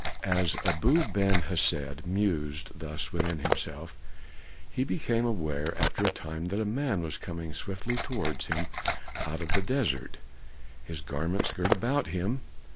As Abu Ben Hesed mused thus within himself, he became aware after a time that a man was coming swiftly towards him out of the desert, his garments girt about him.